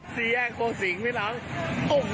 สี่แห้งโค้งสิงนี่หลังต้มม่วนกันฮะ